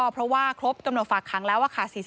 เพราะว่าครบกำหนดฝากขังแล้วค่ะ